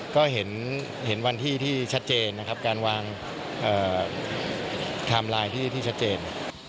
ก็เห็นวันที่ที่ชัดเจนนะครับการวางไทม์ไลน์ที่ชัดเจน